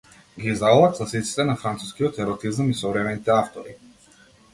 Ги издавала класиците на францускиот еротизам и современите автори.